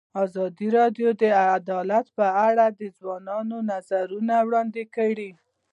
ازادي راډیو د عدالت په اړه د ځوانانو نظریات وړاندې کړي.